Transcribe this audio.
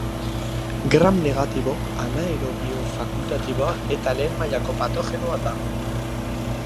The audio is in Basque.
Gram negatibo, anaerobio fakultatiboa eta lehen mailako patogenoa da.